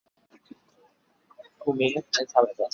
担任黑龙江省密山市塔头村党支部书记。